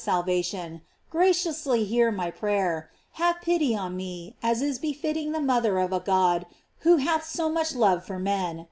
salvation, graciously hear my prayer, have pity on me, as is befitting the mother of a God who hath so much love for men.